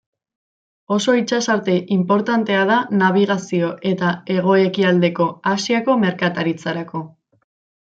Oso itsasarte inportantea da nabigazio eta hego-ekialdeko Asiako merkataritzarako.